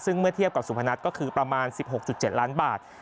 ซึ่งเมื่อเทียบกับสุพนัทก็คือประมาณ๑๖๗ล้านบาท